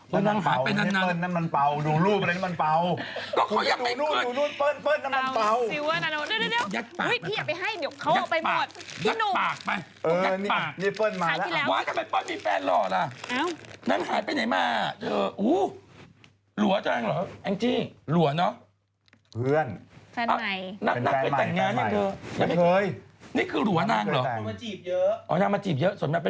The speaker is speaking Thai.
โบ๊ทนั่งหายไปนั่นนั่นนานมันเปร่าหนูรูปอะไรมันเปร่า